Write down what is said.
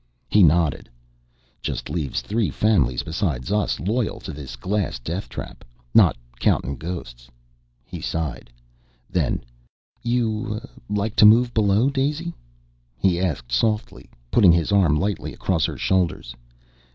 He nodded. "Just leaves three families besides us loyal to this glass death trap. Not countin' ghosts." He sighed. Then, "You like to move below, Daisy?" he asked softly, putting his arm lightly across her shoulders.